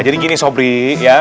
jadi gini sombri ya